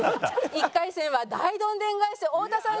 １回戦は大どんでん返し太田さん